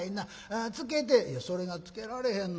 「それがつけられへんの」。